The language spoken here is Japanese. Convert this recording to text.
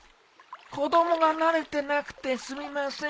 子供が慣れてなくてすみません。